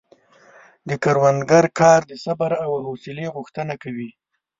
د کروندګر کار د صبر او حوصلې غوښتنه کوي.